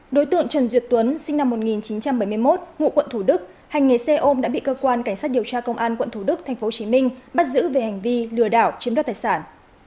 đối tượng trần duyệt tuấn sinh năm một nghìn chín trăm bảy mươi một ngụ quận thủ đức hành nghề xe ôm đã bị cơ quan cảnh sát điều tra công an quận thủ đức tp hcm bắt giữ về hành vi lừa đảo chiếm đoạt tài sản